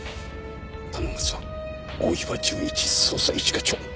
頼むぞ大岩純一捜査一課長。